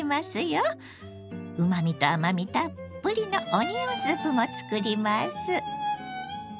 うまみと甘みたっぷりのオニオンスープも作ります。